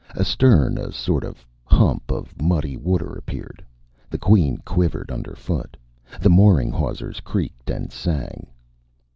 Astern, a sort of hump of muddy water appeared. The Queen quivered underfoot. The mooring hawsers creaked and sang.